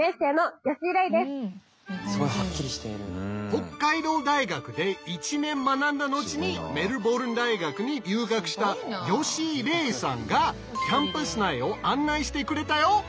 北海道大学で１年学んだ後にメルボルン大学に留学した吉井伶衣さんがキャンパス内を案内してくれたよ！